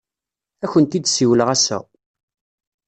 Ad akent-d-siwleɣ ass-a.